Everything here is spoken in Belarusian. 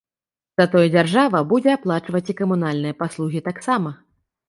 Затое дзяржава будзе аплачваць і камунальныя паслугі таксама.